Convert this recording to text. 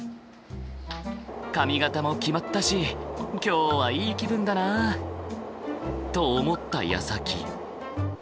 髪形も決まったし今日はいい気分だな。と思ったやさき。